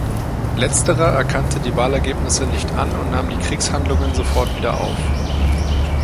Letzterer erkannte die Wahlergebnisse nicht an und nahm die Kriegshandlungen sofort wieder auf.